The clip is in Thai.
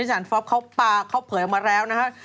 จากมาต่อเข้ามาแล้วนะฮะ